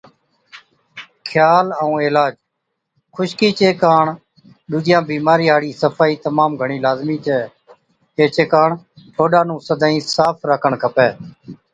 خيال ائُون عِلاج، خُشڪِي چي ڪاڻ ڏُوجِيان بِيمارِيان هاڙِي صفائِي تمام گھڻِي لازمِي ڇَي۔ ايڇي ڪاڻ ٺوڏا نُون سدائِين صاف راکڻ کپَي۔